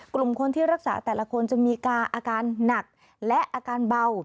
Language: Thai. กลุ่มคนที่รักษาแต่ละคนจะมีกาอาการหนักและอาการเบา